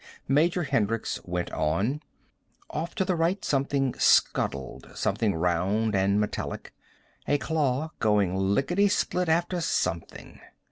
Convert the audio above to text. Major Hendricks went on. Off to the right something scuttled, something round and metallic. A claw, going lickety split after something.